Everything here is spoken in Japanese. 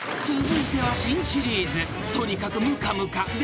［続いては新シリーズ］［とにかくむかむか。